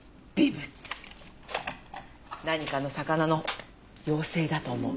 何かの魚の幼生だと思う。